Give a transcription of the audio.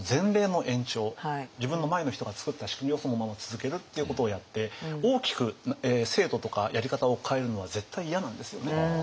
自分の前の人がつくった仕組みをそのまま続けるっていうことをやって大きく制度とかやり方を変えるのは絶対嫌なんですよね。